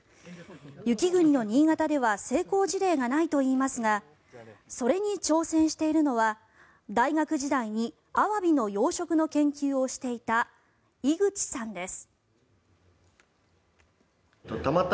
雪国の新潟では成功事例がないといいますがそれに挑戦しているのは大学時代にアワビの養殖の研究をしていた井口さんです。